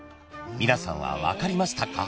［皆さんは分かりましたか？］